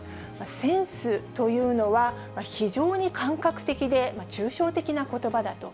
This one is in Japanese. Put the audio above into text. センスというのは、非常に感覚的で抽象的なことばだと。